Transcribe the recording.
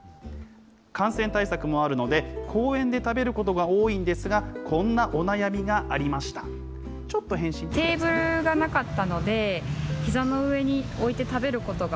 感染対策もあるので、公園で食べることが多いんですが、こんなお悩みがありました。